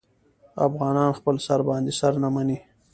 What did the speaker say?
افغانان خپل سر باندې سر نه مني.